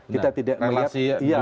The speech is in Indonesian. kita tidak melihat